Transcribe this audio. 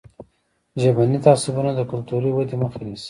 ژبني تعصبونه د کلتوري ودې مخه نیسي.